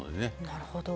なるほど。